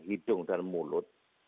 hidung dan mulut